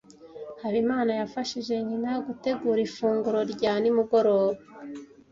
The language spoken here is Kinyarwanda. Habimana yafashije nyina gutegura ifunguro rya nimugoroba.